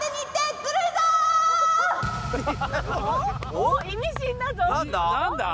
おっ意味深だぞ！